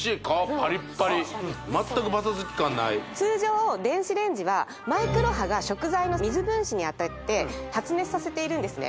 パリッパリ全くパサつき感ない通常電子レンジはマイクロ波が食材の水分子に当たって発熱させているんですね